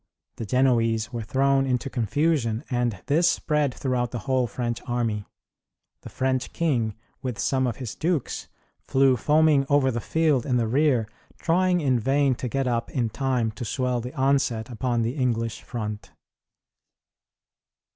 The Genoese were thrown into confusion, and this spread throughout the whole French army. The French king, with some of his dukes, flew foaming over the field in the rear, trying in vain to get up in time to swell the onset upon the English front.